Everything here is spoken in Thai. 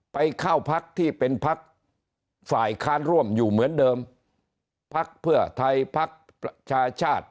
ไปเข้าพักที่เป็นพักฝ่ายค้านร่วมอยู่เหมือนเดิมพักเพื่อไทยพักประชาชาติ